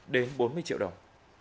một mươi đến bốn mươi triệu đồng